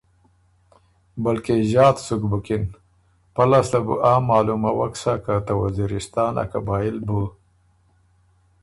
بلکې ݫات سُک بُکِن۔ پۀ لاسته بو آ معلوموک سَۀ که ته وزیرستان ا قبائل بُو